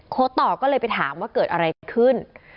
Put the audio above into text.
ต่อก็เลยไปถามว่าเกิดอะไรกันขึ้น